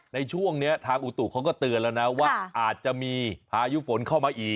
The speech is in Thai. ในช่วงนี้ทางอุตุเขาก็เตือนแล้วนะว่าอาจจะมีพายุฝนเข้ามาอีก